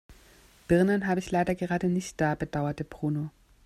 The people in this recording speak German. Birnen habe ich leider gerade nicht da, bedauerte Bruno.